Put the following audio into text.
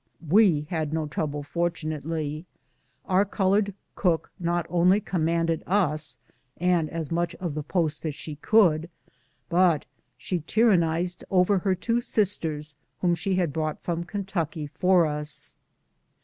We had no trouble, fortunately. Our colored cook not only com manded us, and as much of the post as she could, but she tyrannized over her two sisters whom she had brought 196 BOOTS AND SADDLES. from Kentucky for us.